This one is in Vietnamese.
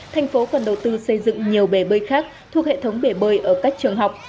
thành phố còn đầu tư xây dựng nhiều bể bơi khác thuộc hệ thống bể bơi ở các trường học